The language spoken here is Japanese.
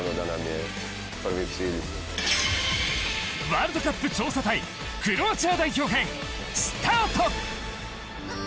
ワールドカップ調査隊クロアチア代表編、スタート！